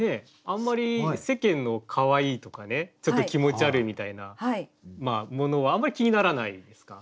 あんまり世間のかわいいとかねちょっと気持ち悪いみたいなものはあんまり気にならないですか？